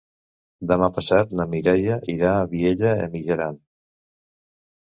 Demà passat na Mireia irà a Vielha e Mijaran.